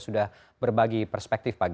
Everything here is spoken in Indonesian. sudah berbagi perspektif